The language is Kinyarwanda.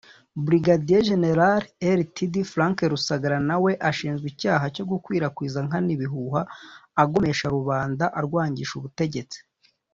Brig Gen (Rtd) Frank Rusagara na we ashinjwa icyaha cyo gukwirakwiza nkana ibihuha agomesha rubanda arwangisha ubutegetsi